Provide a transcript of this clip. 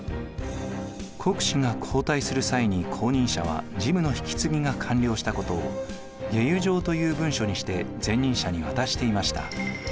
国司が交代する際に後任者は事務の引き継ぎが完了したことを解由状という文書にして前任者に渡していました。